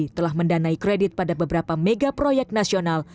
telah mendanai kredit pada beberapa mega proyek nasional